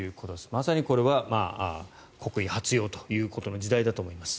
まさにこれは国威発揚という時代だと思います。